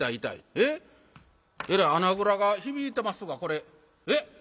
えらい穴蔵が響いてますがこれえっ？